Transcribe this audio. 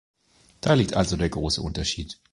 Da liegt also der große Unterschied.